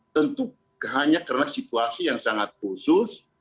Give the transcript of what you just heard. tentu hanya karena situasi yang sangat khusus